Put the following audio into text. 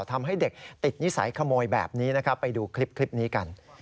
ทำให้เด็กติดนิสัยขโมยแบบนี้นะครับไปดูคลิปนี้กัน